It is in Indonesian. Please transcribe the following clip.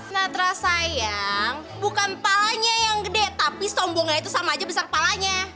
nah terah sayang bukan palanya yang gede tapi sombongnya itu sama aja besar kepalanya